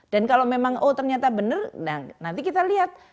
dan kalau memang oh ternyata benar nanti kita lihat